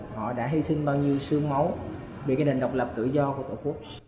họ đã hy sinh bao nhiêu sương máu vì cái nền độc lập tự do của tổ quốc